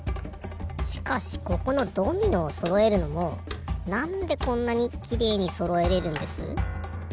しかしここのドミノをそろえるのもなんでこんなにきれいにそろえれるんです？